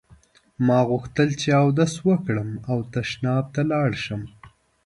ما غوښتل چې اودس وکړم او تشناب ته لاړ شم.